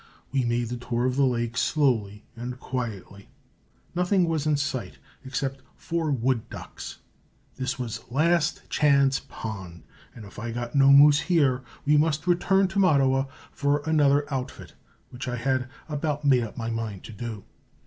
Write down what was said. We made the tour of the lake slowly and quietly. Nothing was in sight except four wood ducks. This was "last chance" pond, and if I got no moose here, we must return to Mattawa for another outfit, which I had about made up my mind to do.